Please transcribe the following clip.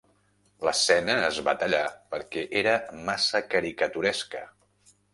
L"escena es va tallar per què era massa caricaturesca.